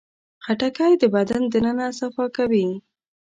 خټکی د بدن دننه صفا کوي.